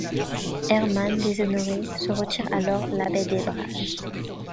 Hermann déshonoré se retire alors l'abbaye d'Ebrach.